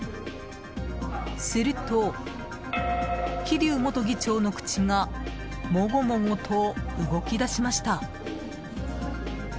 すると、桐生元議長の口がもごもごと動き出しました。